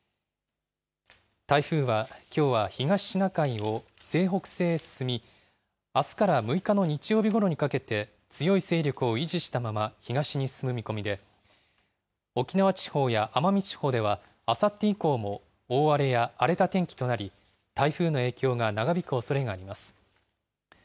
台風はきょうは東シナ海を西北西へ進み、あすから６日の日曜日ごろにかけて、強い勢力を維持したまま東に進む見込みで、沖縄地方や奄美地方では、あさって以降も、大荒れや荒れた天気となり、台風の影響が長引くおそれがあります。